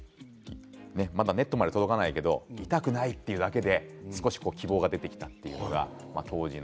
またネットまで届かないけど痛くないというだけで少し希望が出てきた。